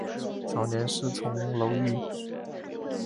早年师从楼郁。